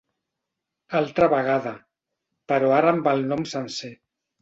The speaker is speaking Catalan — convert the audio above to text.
Altra vegada, però ara amb el nom sencer.